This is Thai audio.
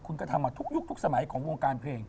คุณก็ทำมาทุกยุคทุกสมัยของวงการเพลง